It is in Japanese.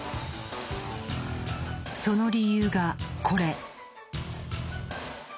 その理由がこれ。